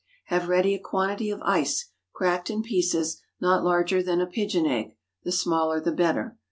Have ready a quantity of ice, cracked in pieces not larger than a pigeon egg—the smaller the better.